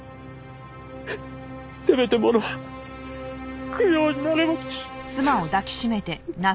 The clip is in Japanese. せめてもの供養になればと。